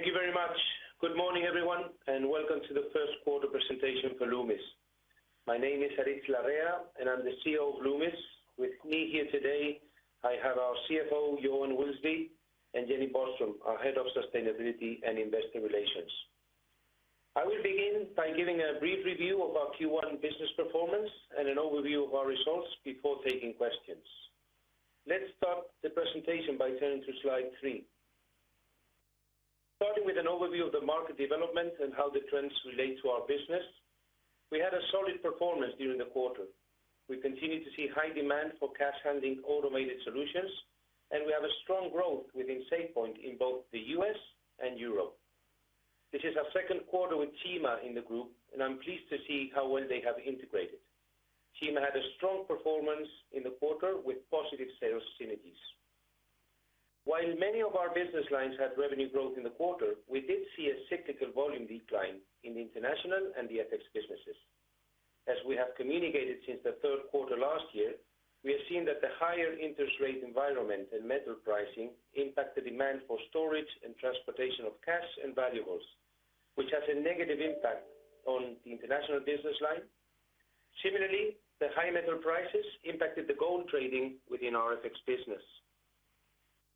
Thank you very much. Good morning, everyone, and welcome to the first quarter presentation for Loomis. My name is Aritz Larrea, and I'm the CEO of Loomis. With me here today, I have our CFO, Johan Wilsby, and Jenny Boström, our head of Sustainability and Investor Relations. I will begin by giving a brief review of our Q1 business performance and an overview of our results before taking questions. Let's start the presentation by turning to slide three. Starting with an overview of the market development and how the trends relate to our business, we had a solid performance during the quarter. We continue to see high demand for cash handling automated solutions, and we have a strong growth within SafePoint in both the U.S. and Europe. This is our second quarter with Cima in the group, and I'm pleased to see how well they have integrated. Cima had a strong performance in the quarter with positive sales synergies. While many of our business lines had revenue growth in the quarter, we did see a cyclical volume decline in the international and the FX businesses. As we have communicated since the third quarter last year, we have seen that the higher interest rate environment and metal pricing impacted demand for storage and transportation of cash and valuables, which has a negative impact on the international business line. Similarly, the high metal prices impacted the gold trading within our FX business.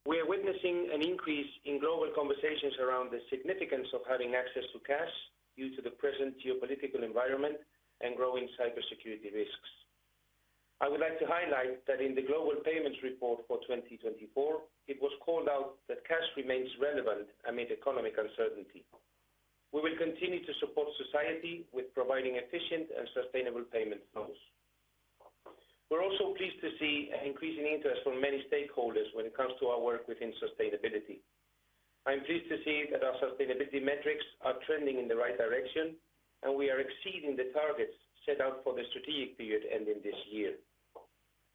We are witnessing an increase in global conversations around the significance of having access to cash due to the present geopolitical environment and growing cybersecurity risks. I would like to highlight that in the Global Payments Report for 2024, it was called out that cash remains relevant amid economic uncertainty. We will continue to support society with providing efficient and sustainable payment flows. We're also pleased to see an increasing interest from many stakeholders when it comes to our work within sustainability. I'm pleased to see that our sustainability metrics are trending in the right direction, and we are exceeding the targets set out for the strategic period ending this year.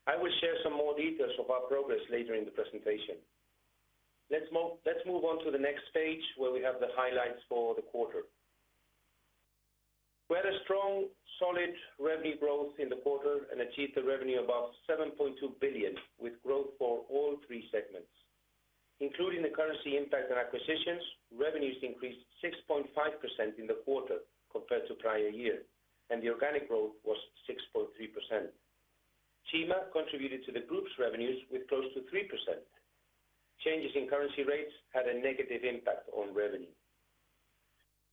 I will share some more details of our progress later in the presentation. Let's move on to the next page, where we have the highlights for the quarter. We had a strong, solid revenue growth in the quarter and achieved a revenue above 7.2 billion, with growth for all three segments. Including the currency impact and acquisitions, revenues increased 6.5% in the quarter compared to prior year, and the organic growth was 6.3%. Cima contributed to the group's revenues with close to 3%. Changes in currency rates had a negative impact on revenue.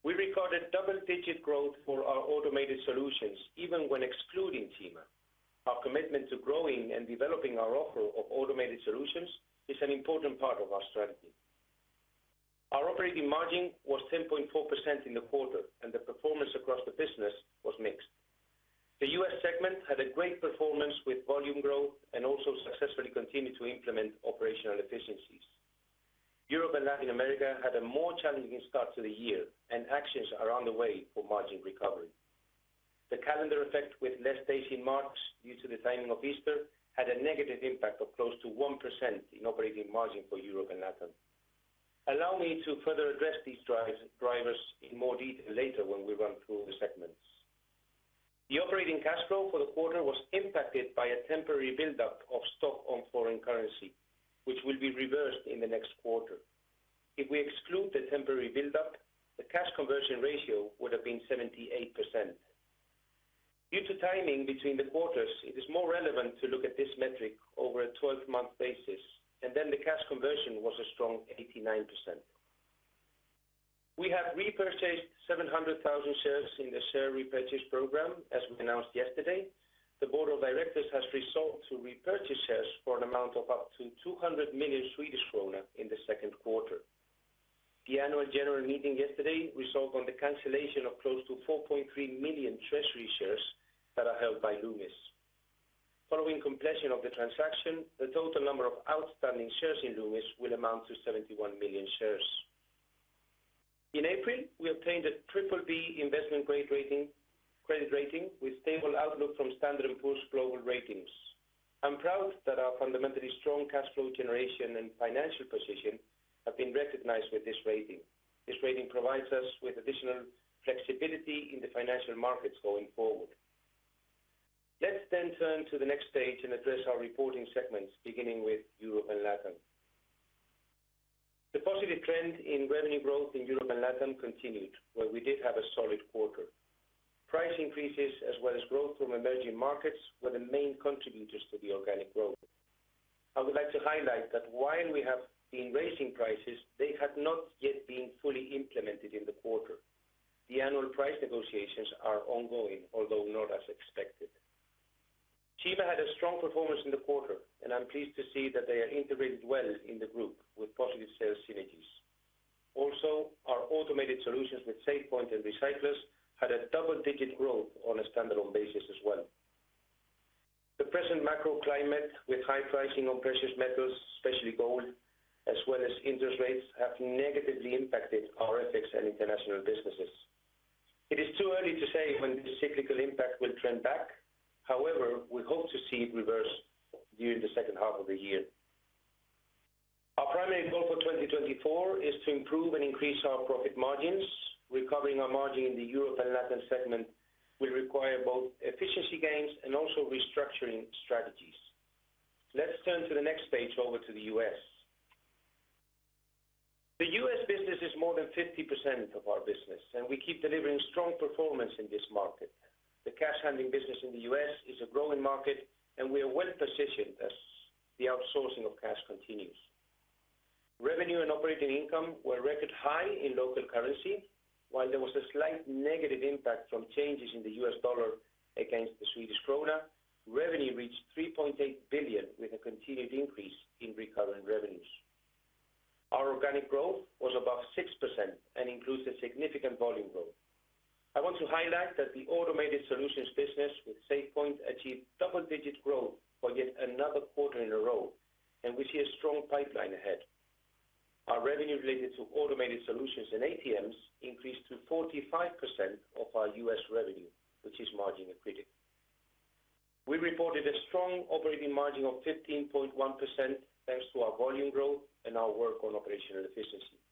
We recorded double-digit growth for our automated solutions, even when excluding Cima. Our commitment to growing and developing our offer of automated solutions is an important part of our strategy. Our operating margin was 10.4% in the quarter, and the performance across the business was mixed. The U.S. segment had a great performance with volume growth and also successfully continued to implement operational efficiencies. Europe and Latin America had a more challenging start to the year, and actions are on the way for margin recovery. The calendar effect, with less days in March due to the timing of Easter, had a negative impact of close to 1% in operating margin for Europe and Latin. Allow me to further address these drivers in more detail later when we run through the segments. The operating cash flow for the quarter was impacted by a temporary buildup of stock on foreign currency, which will be reversed in the next quarter. If we exclude the temporary buildup, the cash conversion ratio would have been 78%. Due to timing between the quarters, it is more relevant to look at this metric over a 12-month basis, and then the cash conversion was a strong 89%. We have repurchased 700,000 shares in the share repurchase program, as we announced yesterday. The board of directors has resolved to repurchase shares for an amount of up to 200 million Swedish krona in the second quarter. The Annual General Meeting yesterday resolved on the cancellation of close to 4.3 million treasury shares that are held by Loomis. Following completion of the transaction, the total number of outstanding shares in Loomis will amount to 71 million shares. In April, we obtained a BBB investment grade rating, credit rating with stable outlook from S&P Global Ratings. I'm proud that our fundamentally strong cash flow generation and financial position have been recognized with this rating. This rating provides us with additional flexibility in the financial markets going forward. Let's then turn to the next page and address our reporting segments, beginning with Europe and Latin. The positive trend in revenue growth in Europe and Latin continued, where we did have a solid quarter. Price increases, as well as growth from emerging markets, were the main contributors to the organic growth. I would like to highlight that while we have been raising prices, they have not yet been fully implemented in the quarter. The annual price negotiations are ongoing, although not as expected. Cima had a strong performance in the quarter, and I'm pleased to see that they are integrated well in the group with positive sales synergies. Also, our Automated Solutions with SafePoint and Recyclers had a double-digit growth on a standalone basis as well. The present macro climate, with high pricing on precious metals, especially gold, as well as interest rates, have negatively impacted our FX and international businesses. It is too early to say when this cyclical impact will trend back. However, we hope to see it reverse during the second half of the year. Our primary goal for 2024 is to improve and increase our profit margins. Recovering our margin in the Europe and Latin segment will require both efficiency gains and also restructuring strategies.... Let's turn to the next page over to the U.S. The U.S. business is more than 50% of our business, and we keep delivering strong performance in this market. The cash handling business in the U.S. is a growing market, and we are well positioned as the outsourcing of cash continues. Revenue and operating income were record high in local currency. While there was a slight negative impact from changes in the U.S. dollar against the Swedish krona, revenue reached 3.8 billion, with a continued increase in recurring revenues. Our organic growth was above 6% and includes a significant volume growth. I want to highlight that the automated solutions business with SafePoint achieved double-digit growth for yet another quarter in a row, and we see a strong pipeline ahead. Our revenue related to automated solutions and ATMs increased to 45% of our U.S. revenue, which is margin accretive. We reported a strong operating margin of 15.1%, thanks to our volume growth and our work on operational efficiency.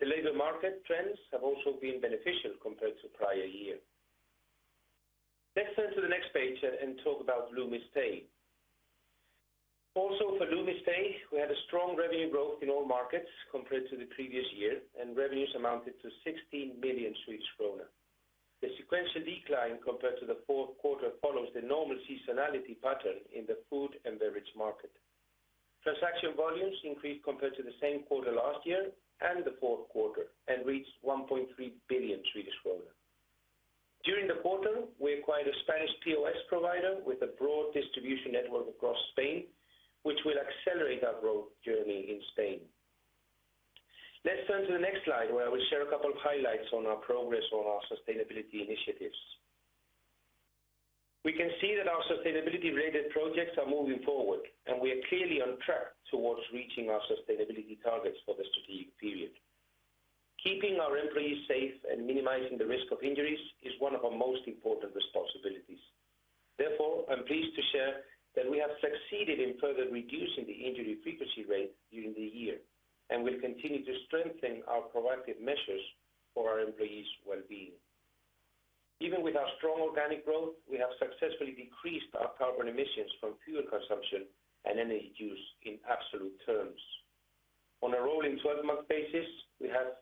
The labor market trends have also been beneficial compared to prior year. Let's turn to the next page and talk about Loomis Pay. Also, for Loomis Pay, we had a strong revenue growth in all markets compared to the previous year, and revenues amounted to 16 million Swedish kronor. The sequential decline compared to the fourth quarter follows the normal seasonality pattern in the food and beverage market. Transaction volumes increased compared to the same quarter last year and the fourth quarter and reached 1.3 billion Swedish kronor. During the quarter, we acquired a Spanish POS provider with a broad distribution network across Spain, which will accelerate our growth journey in Spain. Let's turn to the next slide, where I will share a couple of highlights on our progress on our sustainability initiatives. We can see that our sustainability-related projects are moving forward, and we are clearly on track towards reaching our sustainability targets for the strategic period. Keeping our employees safe and minimizing the risk of injuries is one of our most important responsibilities. Therefore, I'm pleased to share that we have succeeded in further reducing the injury frequency rate during the year, and we've continued to strengthen our proactive measures for our employees' well-being. Even with our strong organic growth, we have successfully decreased our carbon emissions from fuel consumption and energy use in absolute terms. On a rolling twelve-month basis, we have,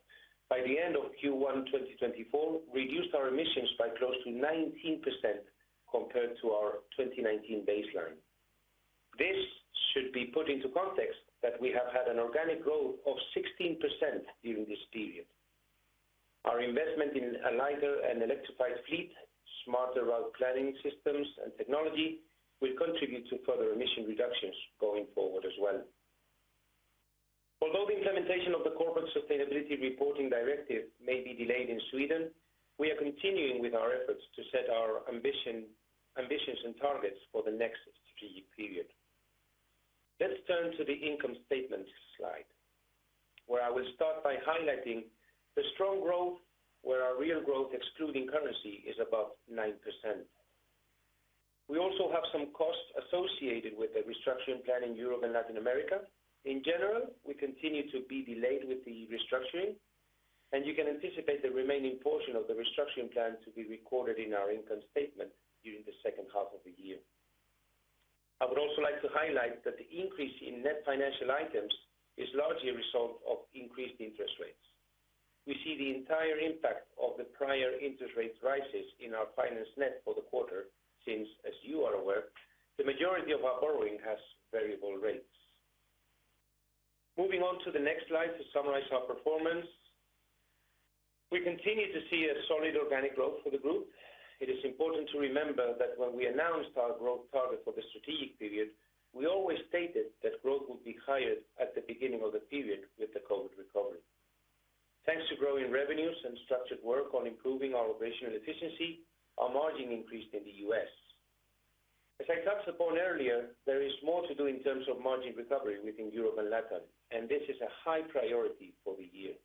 by the end of Q1 2024, reduced our emissions by close to 19% compared to our 2019 baseline. This should be put into context that we have had an organic growth of 16% during this period. Our investment in a lighter and electrified fleet, smarter route planning systems and technology, will contribute to further emission reductions going forward as well. Although the implementation of the Corporate Sustainability Reporting Directive may be delayed in Sweden, we are continuing with our efforts to set our ambition, ambitions and targets for the next strategic period. Let's turn to the income statement slide, where I will start by highlighting the strong growth, where our real growth, excluding currency, is above 9%. We also have some costs associated with the restructuring plan in Europe and Latin America. In general, we continue to be delayed with the restructuring, and you can anticipate the remaining portion of the restructuring plan to be recorded in our income statement during the second half of the year. I would also like to highlight that the increase in net financial items is largely a result of increased interest rates. We see the entire impact of the prior interest rate rises in our financial net for the quarter, since, as you are aware, the majority of our borrowing has variable rates. Moving on to the next slide to summarize our performance. We continue to see a solid organic growth for the group. It is important to remember that when we announced our growth target for the strategic period, we always stated that growth would be higher at the beginning of the period with the COVID recovery. Thanks to growing revenues and structured work on improving our operational efficiency, our margin increased in the U.S. As I touched upon earlier, there is more to do in terms of margin recovery within Europe and Latin, and this is a high priority for the year.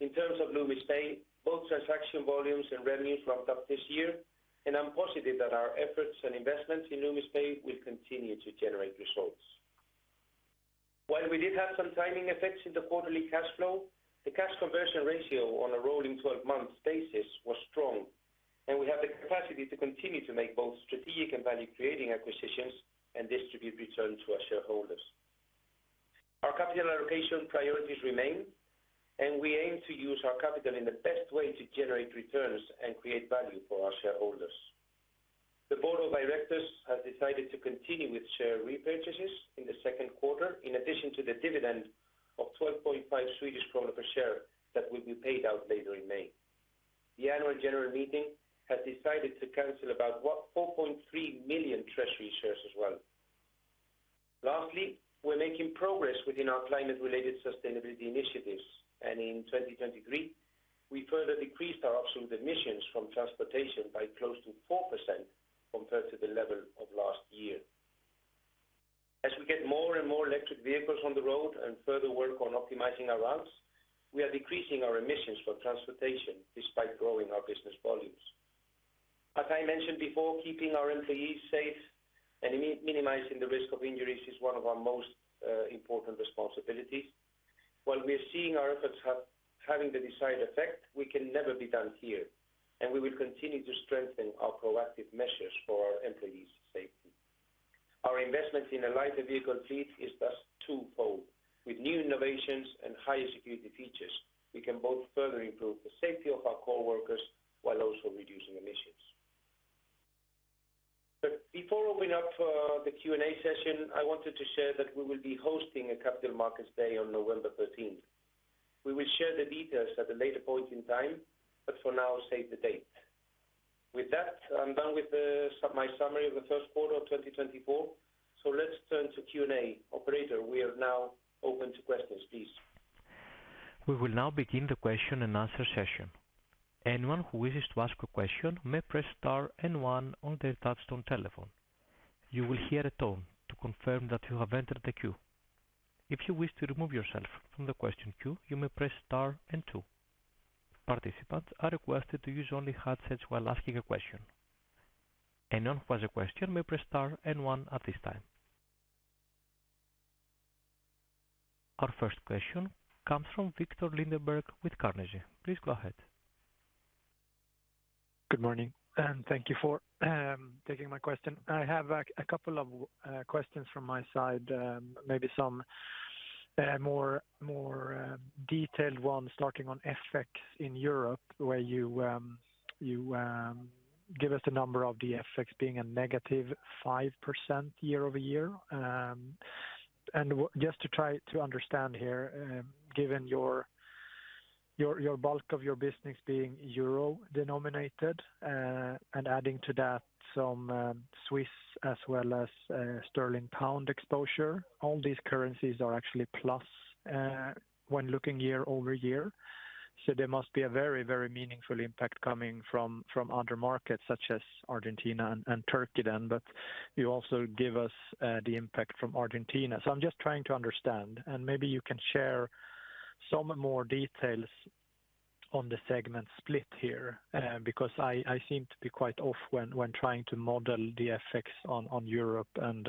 In terms of Loomis Pay, both transaction volumes and revenues ramped up this year, and I'm positive that our efforts and investments in Loomis Pay will continue to generate results. While we did have some timing effects in the quarterly cash flow, the cash conversion ratio on a rolling 12-month basis was strong, and we have the capacity to continue to make both strategic and value-creating acquisitions and distribute returns to our shareholders. Our capital allocation priorities remain, and we aim to use our capital in the best way to generate returns and create value for our shareholders. The board of directors has decided to continue with share repurchases in the second quarter, in addition to the dividend of 12.5 Swedish kronor per share that will be paid out later in May. The annual general meeting has decided to cancel about four point three million treasury shares as well. Lastly, we're making progress within our climate-related sustainability initiatives, and in 2023, we further decreased our absolute emissions from transportation by close to 4% compared to the level of last year. As we get more and more electric vehicles on the road and further work on optimizing our routes, we are decreasing our emissions for transportation despite growing our business volumes. As I mentioned before, keeping our employees safe and minimizing the risk of injuries is one of our most important responsibilities... While we're seeing our efforts having the desired effect, we can never be done here, and we will continue to strengthen our proactive measures for our employees' safety. Our investment in a lighter vehicle fleet is thus twofold. With new innovations and higher security features, we can both further improve the safety of our coworkers while also reducing emissions. But before opening up for the Q&A session, I wanted to share that we will be hosting a Capital Markets Day on November thirteenth. We will share the details at a later point in time, but for now, save the date. With that, I'm done with my summary of the first quarter of 2024. So let's turn to Q&A. Operator, we are now open to questions, please. We will now begin the question and answer session. Anyone who wishes to ask a question may press star and one on their touchtone telephone. You will hear a tone to confirm that you have entered the queue. If you wish to remove yourself from the question queue, you may press star and two. Participants are requested to use only headsets while asking a question. Anyone who has a question may press star and one at this time. Our first question comes from Victor Lindeberg with Carnegie. Please go ahead. Good morning, and thank you for taking my question. I have a couple of questions from my side, maybe some more detailed ones starting on FX in Europe, where you give us a number of the FX being a -5% year-over-year. And just to try to understand here, given your bulk of your business being euro-denominated, and adding to that some Swiss as well as sterling pound exposure, all these currencies are actually plus when looking year-over-year. So there must be a very meaningful impact coming from other markets such as Argentina and Turkey then. But you also give us the impact from Argentina. So I'm just trying to understand, and maybe you can share some more details on the segment split here, because I seem to be quite off when trying to model the effects on Europe and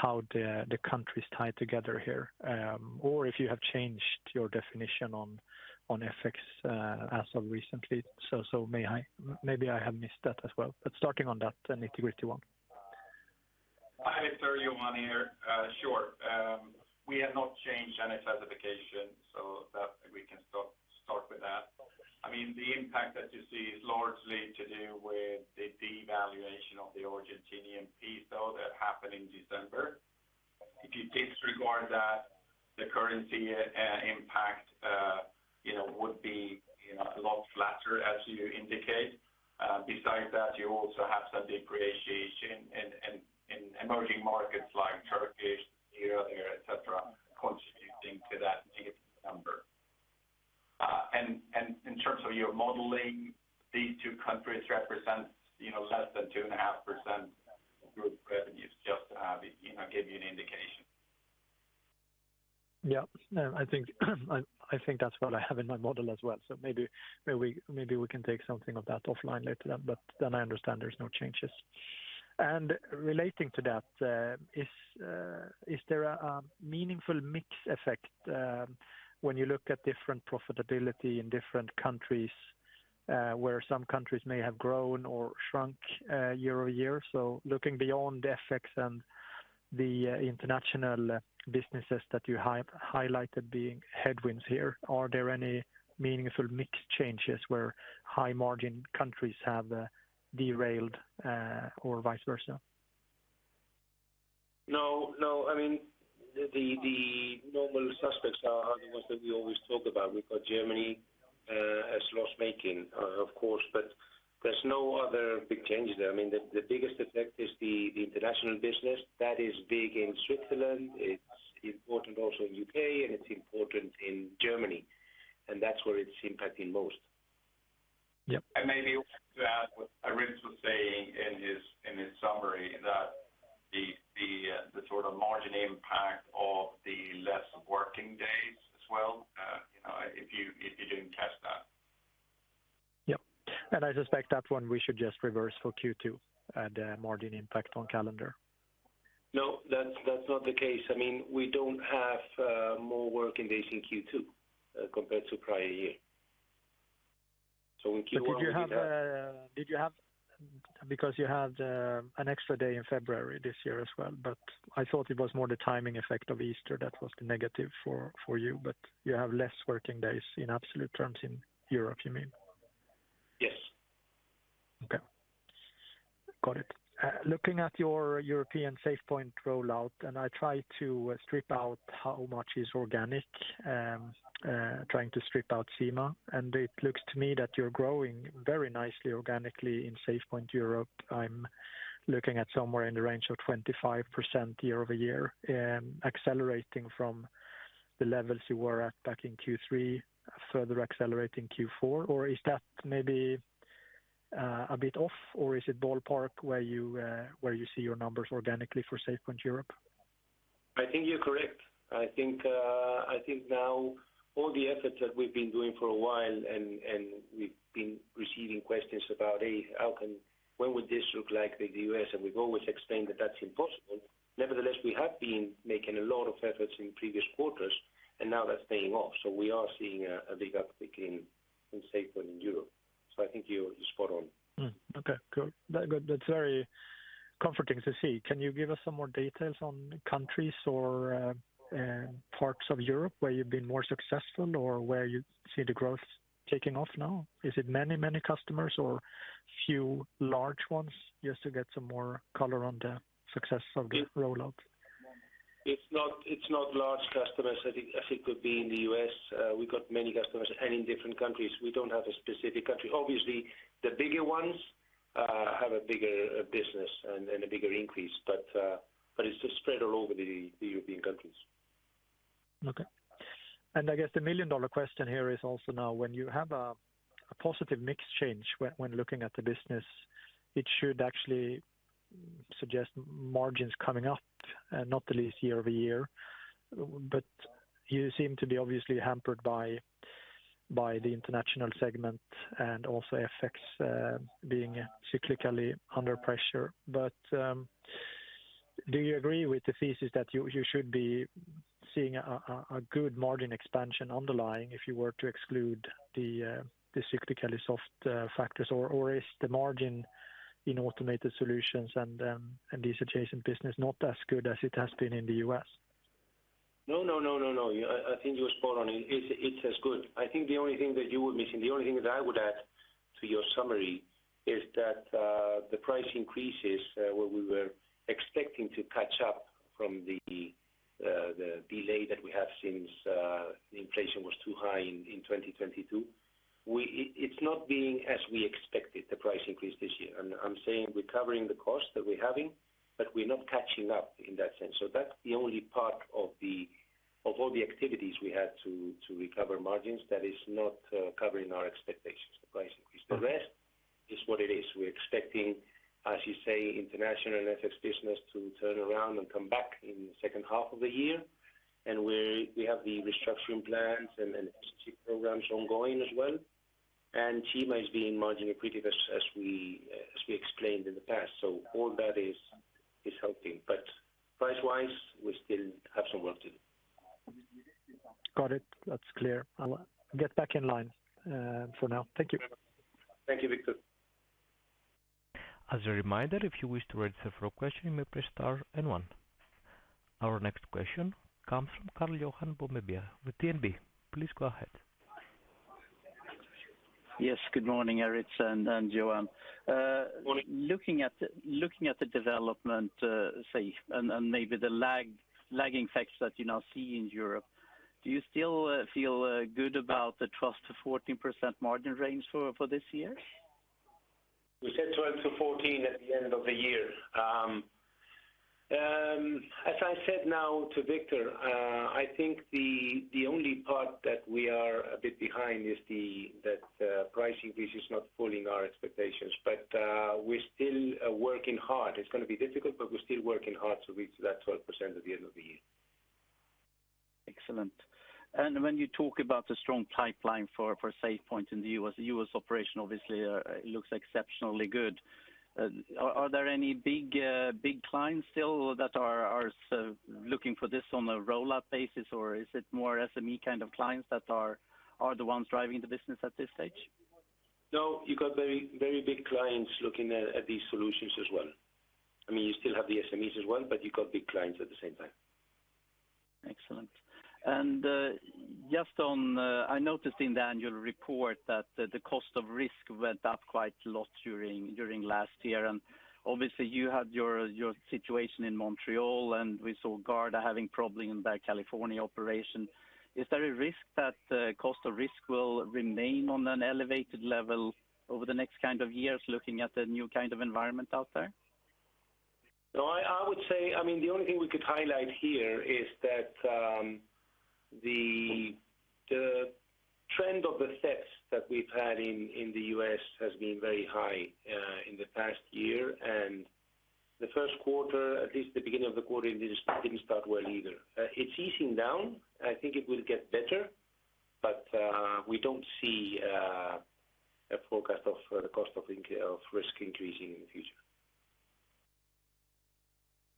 how the countries tie together here. Or if you have changed your definition on FX as of recently. So maybe I have missed that as well. But starting on that, then if you agree to one. Hi, Victor, Johan here. Sure. We have not changed any classification, so that we can start with that. I mean, the impact that you see is largely to do with the devaluation of the Argentine peso that happened in December. If you disregard that, the currency impact, you know, would be, you know, a lot flatter, as you indicate. Besides that, you also have some depreciation in, in, in emerging markets like Turkey, Europe, et cetera, contributing to that negative number. And in terms of your modeling, these two countries represent, you know, less than 2.5% group revenues, just to, you know, give you an indication. Yeah. I think that's what I have in my model as well. So maybe we can take something of that offline later then. But then I understand there's no changes. Relating to that, is there a meaningful mix effect when you look at different profitability in different countries where some countries may have grown or shrunk year-over-year? So looking beyond the effects and the international businesses that you highlighted being headwinds here, are there any meaningful mix changes where high-margin countries have derailed or vice versa? No, no. I mean, the normal suspects are the ones that we always talk about. We've got Germany as loss-making, of course, but there's no other big changes there. I mean, the biggest effect is the international business. That is big in Switzerland, it's important also in UK, and it's important in Germany, and that's where it's impacting most. Yeah. And maybe to add what Aritz was saying in his summary, that the sort of margin impact of the less working days as well, you know, if you didn't test that. Yeah. And I suspect that one we should just reverse for Q2, the margin impact on calendar. No, that's, that's not the case. I mean, we don't have more working days in Q2 compared to prior year. So in Q1- But did you have? Did you have, because you had an extra day in February this year as well, but I thought it was more the timing effect of Easter that was negative for you, but you have less working days in absolute terms in Europe, you mean? Yes. Okay. Got it. Looking at your European SafePoint rollout, and I try to strip out how much is organic, trying to strip out Cima, and it looks to me that you're growing very nicely organically in SafePoint Europe. I'm looking at somewhere in the range of 25% year-over-year, accelerating from the levels you were at back in Q3, further accelerating Q4. Or is that maybe a bit off, or is it ballpark where you see your numbers organically for SafePoint Europe? I think you're correct. I think now all the efforts that we've been doing for a while, and we've been receiving questions about, hey, when would this look like in the U.S.? And we've always explained that that's impossible. Nevertheless, we have been making a lot of efforts in previous quarters, and now that's paying off. So we are seeing a big uptick in SafePoint in Europe. So I think you're just spot on. Hmm. Okay, good. Very good. That's very comforting to see. Can you give us some more details on countries or parts of Europe where you've been more successful or where you see the growth taking off now? Is it many, many customers or few large ones? Just to get some more color on the success of the rollout. It's not large customers, as it could be in the U.S. We've got many customers in different countries. We don't have a specific country. Obviously, the bigger ones have a bigger business and a bigger increase. But it's just spread all over the European countries. Okay. And I guess the million-dollar question here is also now, when you have a positive mix change when looking at the business, it should actually suggest margins coming up, not the least year-over-year. But you seem to be obviously hampered by the international segment and also effects being cyclically under pressure. But do you agree with the thesis that you should be seeing a good margin expansion underlying if you were to exclude the cyclically soft factors? Or is the margin in Automated Solutions and these adjacent business not as good as it has been in the U.S.? No, no, no, no, no. I think you're spot on. It's as good. I think the only thing that you were missing, the only thing that I would add to your summary is that the price increases where we were expecting to catch up from the delay that we have since inflation was too high in 2022, it's not being as we expected, the price increase this year. And I'm saying we're covering the cost that we're having, but we're not catching up in that sense. So that's the only part of all the activities we had to recover margins that is not covering our expectations, the price increase. The rest is what it is. We're expecting, as you say, international and FX business to turn around and come back in the second half of the year. We have the restructuring plans and programs ongoing as well. Team has been margin accretive, as we explained in the past. All that is helping. But price-wise, we still have some work to do. Got it. That's clear. I'll get back in line, for now. Thank you. Thank you, Victor. As a reminder, if you wish to register for a question, you may press star and one. Our next question comes from Karl-Johan Bonnevier with DNB. Please go ahead. Yes, good morning, Aritz and Johan. Morning. Looking at the development and maybe the lagging effects that you now see in Europe, do you still feel good about the target 14% margin range for this year? We said 12%-14% at the end of the year. As I said now to Victor, I think the only part that we are a bit behind is that the price increase is not fully in our expectations. But, we're still working hard. It's gonna be difficult, but we're still working hard to reach that 12% at the end of the year. Excellent. And when you talk about the strong pipeline for SafePoint in the U.S., the U.S. operation obviously looks exceptionally good. Are there any big clients still that are looking for this on a rollout basis, or is it more SME kind of clients that are the ones driving the business at this stage? No, you got very, very big clients looking at these solutions as well. I mean, you still have the SMEs as well, but you got big clients at the same time. Excellent. And, just on, I noticed in the annual report that the cost of risk went up quite a lot during last year. And obviously, you had your situation in Montreal, and we saw Garda having problems in their California operation. Is there a risk that cost of risk will remain on an elevated level over the next kind of years, looking at the new kind of environment out there? No, I would say, I mean, the only thing we could highlight here is that the trend of the thefts that we've had in the U.S. has been very high in the past year. And the first quarter, at least the beginning of the quarter, it didn't start well either. It's easing down. I think it will get better, but we don't see a forecast of the cost of incidence of risk increasing in the future.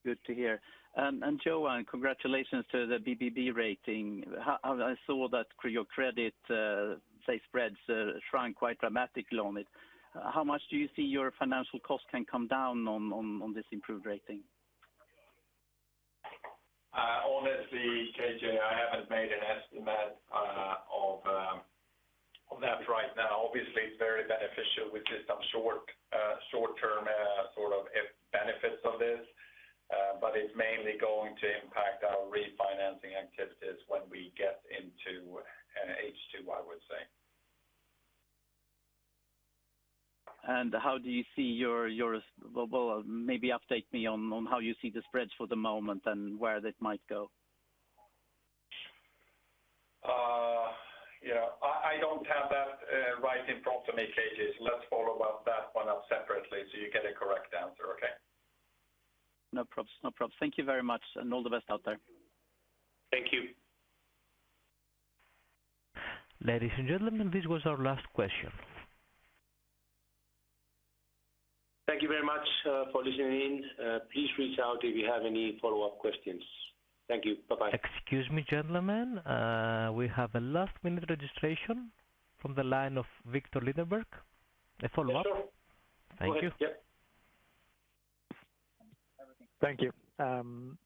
Good to hear. And Johan, congratulations to the BBB rating. How I saw that your credit, say, spreads shrank quite dramatically on it. How much do you see your financial cost can come down on this improved rating? Honestly, KJ, I haven't made an estimate of that right now. Obviously, it's very beneficial with just some short-term sort of benefits of this, but it's mainly going to impact our refinancing activities when we get into H2, I would say. How do you see your... Well, maybe update me on how you see the spreads for the moment and where that might go? Yeah. I don't have that right in front of me, KJ, so let's follow up that one up separately so you get a correct answer, okay? No probs, no probs. Thank you very much, and all the best out there. Thank you. Ladies and gentlemen, this was our last question. Thank you very much, for listening in. Please reach out if you have any follow-up questions. Thank you. Bye-bye. Excuse me, gentlemen. We have a last-minute registration from the line of Viktor Lindeberg. A follow-up? Victor. Thank you. Yep. Thank you.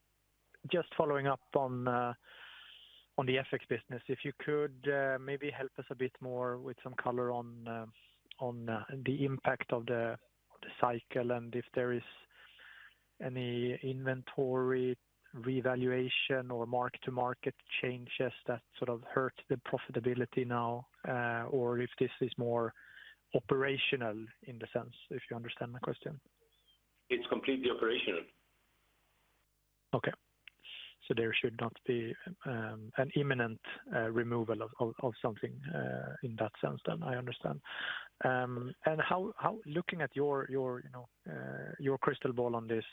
Just following up on the FX business, if you could maybe help us a bit more with some color on the impact of the cycle, and if there is any inventory revaluation or mark-to-market changes that sort of hurt the profitability now, or if this is more operational in the sense, if you understand my question? It's completely operational. Okay. So there should not be an imminent removal of something in that sense, then I understand. And how, looking at your, you know, your crystal ball on this,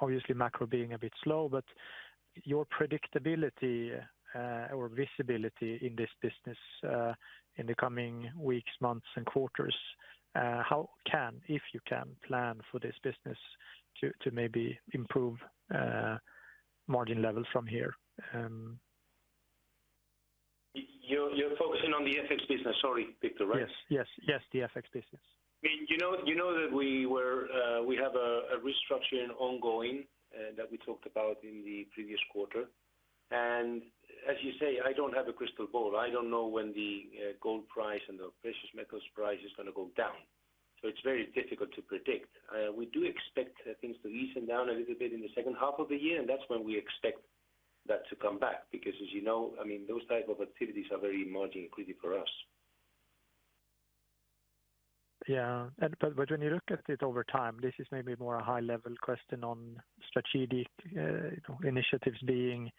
obviously macro being a bit slow, but your predictability or visibility in this business in the coming weeks, months, and quarters, how can, if you can, plan for this business to maybe improve margin levels from here? You're focusing on the FX business. Sorry, Victor, right? Yes, yes. Yes, the FX business. You know, you know that we were, we have a, a restructuring ongoing, that we talked about in the previous quarter. And as you say, I don't have a crystal ball. I don't know when the, gold price and the precious metals price is gonna go down, so it's very difficult to predict. We do expect things to ease down a little bit in the second half of the year, and that's when we expect that to come back. Because, as you know, I mean, those type of activities are very margin-critical for us. Yeah. But when you look at it over time, this is maybe more a high-level question on strategic, you know, initiatives being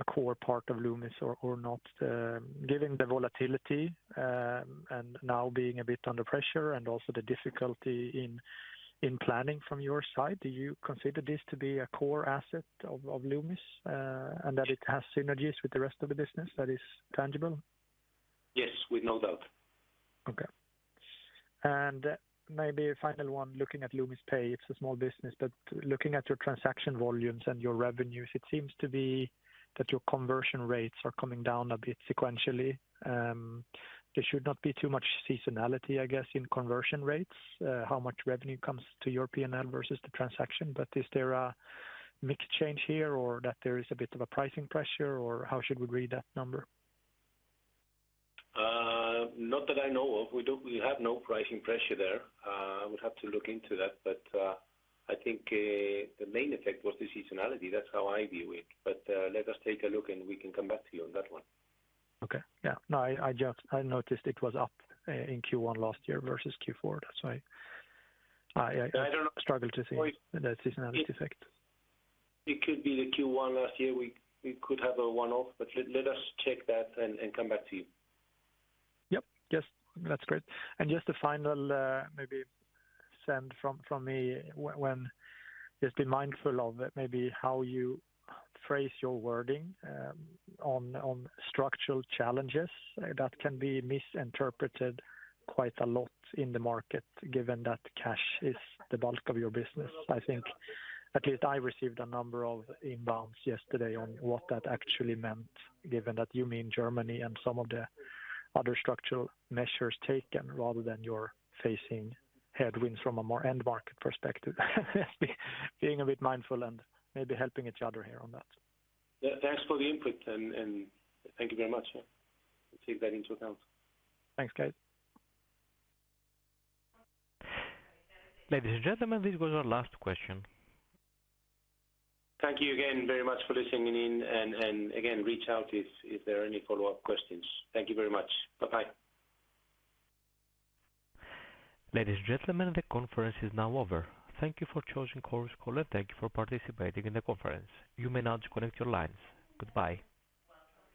a core part of Loomis or not. Given the volatility, and now being a bit under pressure and also the difficulty in planning from your side, do you consider this to be a core asset of Loomis, and that it has synergies with the rest of the business that is tangible? Yes, with no doubt. Okay. Maybe a final one, looking at Loomis Pay, it's a small business, but looking at your transaction volumes and your revenues, it seems to be that your conversion rates are coming down a bit sequentially. There should not be too much seasonality, I guess, in conversion rates, how much revenue comes to your PNL versus the transaction. Is there a mix change here, or that there is a bit of a pricing pressure, or how should we read that number? Not that I know of. We have no pricing pressure there. I would have to look into that, but I think the main effect was the seasonality. That's how I view it. Let us take a look, and we can come back to you on that one. Okay. Yeah. No, I, I just... I noticed it was up in Q1 last year versus Q4. That's why I, I- I don't- Struggle to see the seasonality effect. It could be the Q1 last year. We could have a one-off, but let us check that and come back to you. Yep. Yes, that's great. And just a final maybe send from me when... Just be mindful of maybe how you phrase your wording on structural challenges. That can be misinterpreted quite a lot in the market, given that cash is the bulk of your business. I think at least I received a number of inbounds yesterday on what that actually meant, given that you mean Germany and some of the other structural measures taken, rather than you're facing headwinds from a more end market perspective. Being a bit mindful and maybe helping each other here on that. Yeah, thanks for the input, and thank you very much. We'll take that into account. Thanks, guys. Ladies and gentlemen, this was our last question. Thank you again very much for listening in, and again, reach out if there are any follow-up questions. Thank you very much. Bye-bye. Ladies and gentlemen, the conference is now over. Thank you for choosing Chorus Call, and thank you for participating in the conference. You may now disconnect your lines. Goodbye.